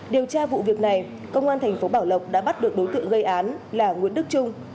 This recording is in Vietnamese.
điều tra vụ việc này công an thành phố bảo lộc đã bắt được đối tượng gây án là nguyễn đức trung